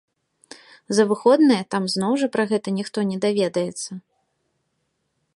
За выходныя там зноў жа пра гэта ніхто не даведаецца.